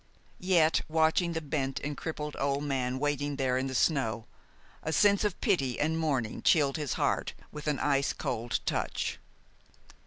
Yet, watching the bent and crippled old man waiting there in the snow, a sense of pity and mourning chilled his heart with ice cold touch.